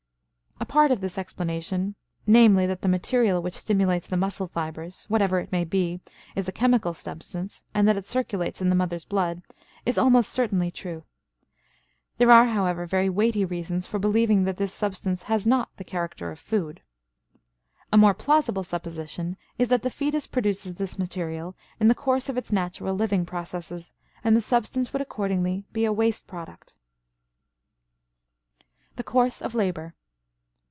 A part of this explanation, namely, that the material which stimulates the muscle fibers, whatever it may be, is a chemical substance and that it circulates in the mother's blood, is almost certainly true. There are, however, very weighty reasons for believing that this substance has not the character of food. A more plausible supposition is that the fetus produces this material in the course of its natural living processes, and the substance would accordingly be a waste product. THE COURSE OF LABOR.